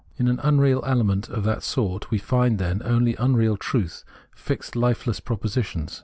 In an unreal ele ment of that sort we find, then, only unreal truth, fixed lifeless propositions.